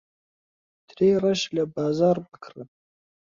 ترێی ڕەش لە بازاڕ بکڕە.